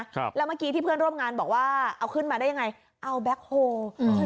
ครับแล้วเมื่อกี้ที่เพื่อนร่วมงานบอกว่าเอาขึ้นมาได้ยังไงเอาแบ็คโฮลอืม